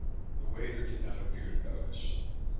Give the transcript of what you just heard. The waiter did not appear to notice.